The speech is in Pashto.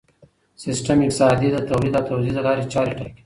سیستم اقتصادي د تولید او توزیع د لارې چارې ټاکي.